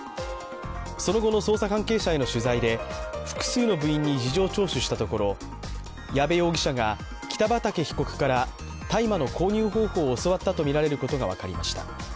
その後の捜査関係者への取材で複数の部員に事情聴取したところ矢部容疑者が北畠被告から大麻の購入方法を教わったとみられることが分かりました。